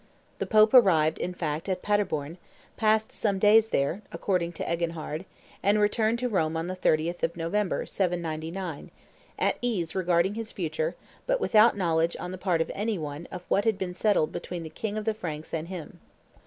The Pope arrived, in fact, at Paderborn, passed some days there, according to Eginhard, and returned to Rome on the 30th of November, 799, at ease regarding his future, but without knowledge on the part of any one of what had been settled between the king of the Franks and him.